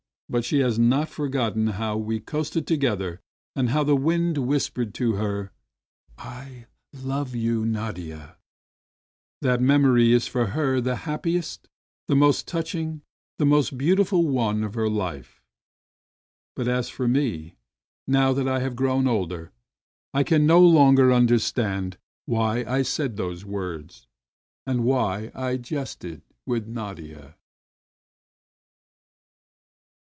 But she has not forgotten how we coasted together and how the wind whispered to her: "I love you, Nadia!" That memory is for her the happiest, the most touching, the most beautiful one of her life. But as for me, now that I have grown older, I can no longer understand why I said those words and why I jested with Nadia.